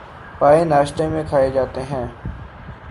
پائے ناشتے میں کھائے جاتے ہیں